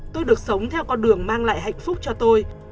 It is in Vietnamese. tôi được sống theo con đường mang lại hạnh phúc cho tôi